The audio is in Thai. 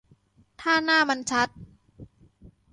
ถ้าหน้ามันชัด